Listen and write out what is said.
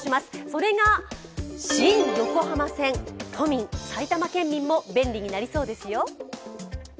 それが新横浜線、都民、埼玉県民も便利になりそうですよ。